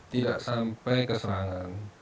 tidak sampai keserangan